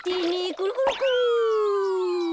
クルクルクル。